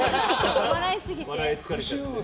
笑いすぎて。